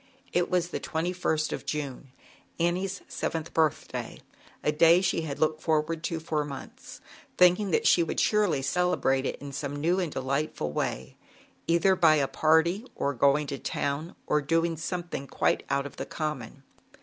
It was the 2ist of Tune, Annie's *j seventh birthday, a day she had looked forward to for months, thinking that she would surely celebrate it in some new and delightful way, either by a party, or going to town, or doing something quite out of the common.